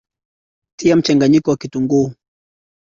tia mchanganyiko wa kitunguu